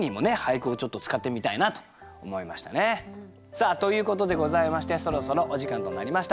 さあということでございましてそろそろお時間となりました。